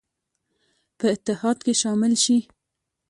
په اتحاد کې شامل شي.